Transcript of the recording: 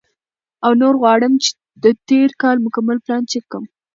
او نور غواړم چې د تېر کال مکمل پلان چیک کړم،